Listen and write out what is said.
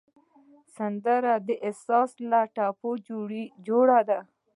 سندره د احساس له ټپه جوړه ده